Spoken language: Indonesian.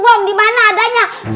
bom dimana adanya